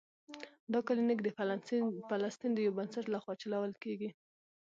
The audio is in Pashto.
دا کلینک د فلسطین د یو بنسټ له خوا چلول کیږي.